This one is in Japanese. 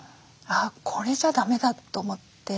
これじゃだめだと思って。